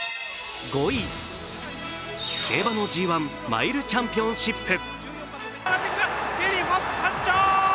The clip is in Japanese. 競馬のＧⅠ、マイルチャンピオンシップ。